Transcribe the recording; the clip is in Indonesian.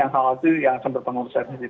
hal itu yang sempat mengobstifikasi